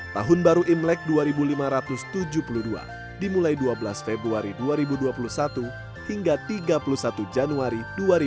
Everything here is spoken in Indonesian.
tahun baru imlek dua ribu lima ratus tujuh puluh dua dimulai dua belas februari dua ribu dua puluh satu hingga tiga puluh satu januari dua ribu dua puluh